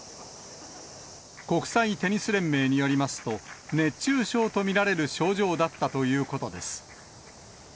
国際テニス連盟によりますと、熱中症と見られる症状だったということです。